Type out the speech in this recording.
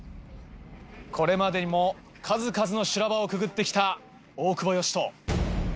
これまでにも数々の修羅場をくぐってきた大久保嘉人。